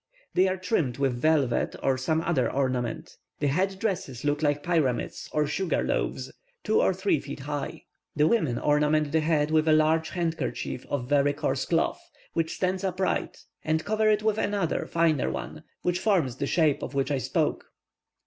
They are trimmed with velvet or some other ornament. The head dresses look like pyramids or sugar loaves, two or three feet high. The women ornament the head with a large handkerchief of very coarse cloth, which stands upright, and they cover it with another finer one, which forms the shape of which I spoke."